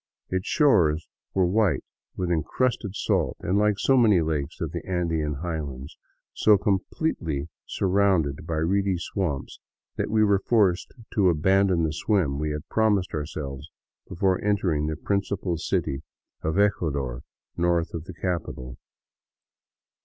Its shores were white with encrusted salt and, like so many lakes of the Andean high lands, so completely surrounded by reedy swamps that we were forced to abandon the swim we had promised ourselves before entering the principal city of Ecuador north of the capital.